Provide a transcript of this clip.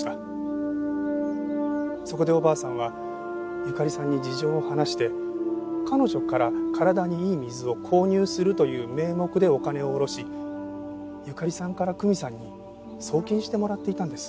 そこでおばあさんはゆかりさんに事情を話して彼女から体にいい水を購入するという名目でお金を下ろしゆかりさんから久美さんに送金してもらっていたんです。